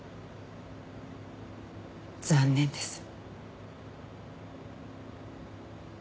残念です。